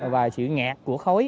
và sự ngạt của khói